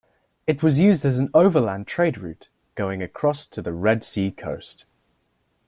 It was used as an overland trade route going to the Red Sea coast.